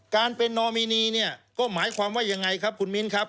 การเป็นนอมินีเนี่ยก็หมายความว่ายังไงครับคุณมิ้นครับ